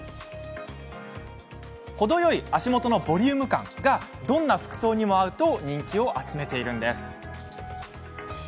程よい足元のボリューム感がどんな服装にも合うと人気を集めているんです。